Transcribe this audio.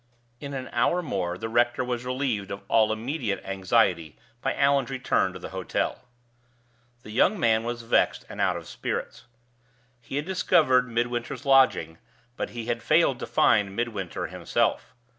In an hour more the rector was relieved of all immediate anxiety by Allan's return to the hotel. The young man was vexed and out of spirits. He had discovered Midwinter's lodgings, but he had failed to find Midwinter himself.